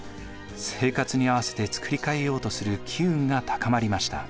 生活に合わせて作り変えようとする機運が高まりました。